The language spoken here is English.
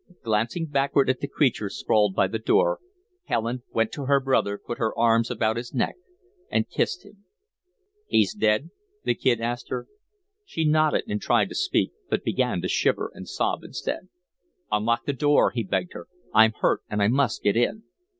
Glancing backward at the creature sprawled by the door, Helen went to her brother, put her arms about his neck, and kissed him. "He's dead?" the Kid asked her. She nodded and tried to speak, but began to shiver and sob instead. "Unlock the door," he begged her. "I'm hurt, and I must get in."